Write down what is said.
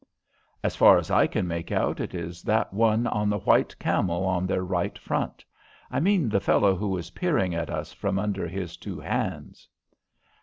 "As far as I can make out, it is that one on the white camel on their right front. I mean the fellow who is peering at us from under his two hands."